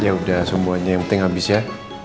yaudah semuanya yang penting habis ya